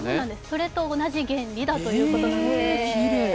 それと同じ原理だということです。